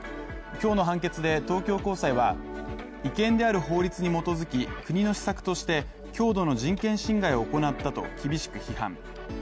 今日の判決で東京高裁は、違憲である法律に基づき、国の施策として強度の人権侵害を行ったと厳しく批判。